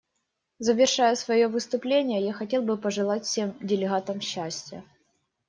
Завершая свое выступление, я хотел бы пожелать всем делегатам счастья.